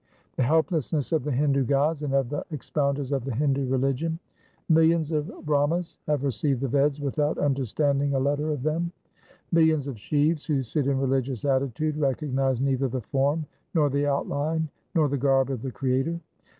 2 The helplessness of the Hindu gods and of the expounders of the Hindu religion :— Millions of Brahmas 4 have received the Veds without understanding a letter of them. Millions of Shivs who sit in religious attitude recognize neither the form, nor the outline, nor the garb of the Creator.